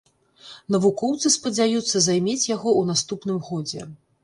Навукоўцы спадзяюцца займець яго ў наступным годзе.